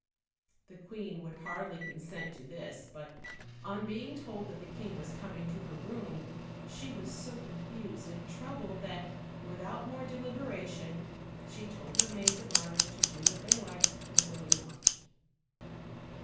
The queen would hardly consent to this; but on being told that the king was coming to her room, she was so confused and troubled that, without more deliberation, she told her maids of honor to do what they liked with the little monkey.